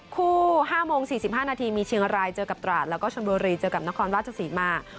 ๕โมง๔๕นาทีมีเชียงรายเจอกับตราดแล้วก็ชนบุรีเจอกับนครราชศรีมา